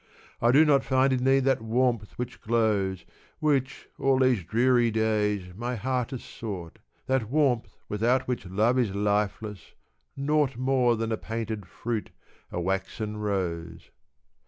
I do not find in thee that warmth which glows, Which, all these dreary days, my heart has sought, That warmth without which love is lifeless, naught More than a painted fruit, a waxen rose.